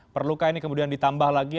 perlukah ini kemudian ditambah lagi